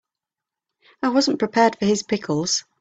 I wasn't prepared for his pickles.